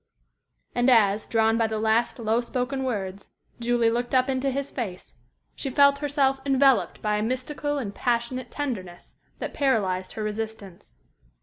And as, drawn by the last, low spoken words, Julie looked up into his face, she felt herself enveloped by a mystical and passionate tenderness that paralyzed her resistance.